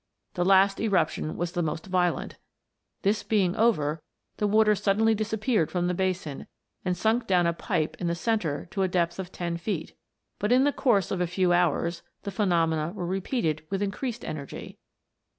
The last eruption was the most violent ; this beJng over, the water sud denly disappeared from the basin, and sunk down a pipe in the centre to a depth of ten feet ; but in the course of a few hours the phenomena were repeated with increased energy.